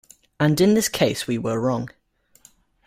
And in this case we were wrong.